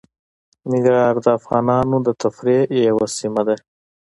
ننګرهار د افغانانو د تفریح یوه وسیله ده.